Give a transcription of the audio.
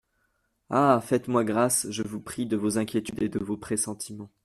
Ah ! faites-moi grâce, je vous prie, de vos inquiétudes et de vos pressentiments.